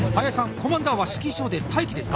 コマンダーは指揮所で待機ですか？